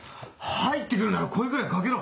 入ってくるなら声ぐらいかけろ。